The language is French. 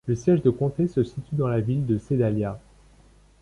Le siège de comté se situe dans la ville de Sedalia.